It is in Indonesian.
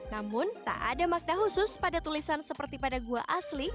namun tak ada makna khusus pada tulisan seperti pada gua asli